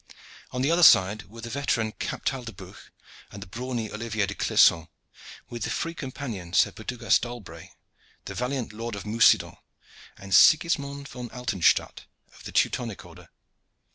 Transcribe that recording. On the other side were the veteran Captal de Buch and the brawny Olivier de Clisson, with the free companion Sir Perducas d'Albret, the valiant Lord of Mucident, and Sigismond von Altenstadt, of the Teutonic Order.